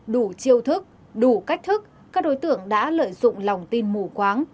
đủ chiêu thức đủ cách thức các đối tượng đã lợi dụng lòng tin mù quáng